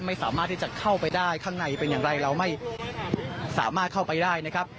ไม่สามารถที่จะเข้าไปได้ข้างในเป็นอย่างไรเราไม่สามารถเข้าไปได้นะครับ